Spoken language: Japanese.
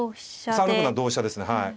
３六歩なら同飛車ですねはい。